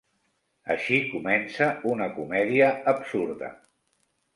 Així comença una comèdia absurda.